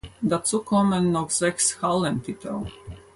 Dazu kommen noch sechs Hallentitel.